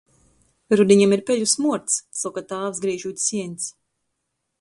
"Rudiņam ir peļu smuords," soka tāvs, grīžūt sieņs.